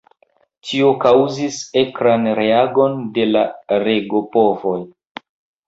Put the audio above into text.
Tio kaŭzis akran reagon de la regopovoj.